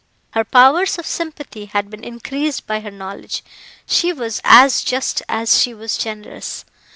Her powers of sympathy had been increased by her knowledge; she was as just as she was generous.